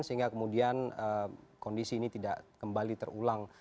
sehingga kemudian kondisi ini tidak kembali terulang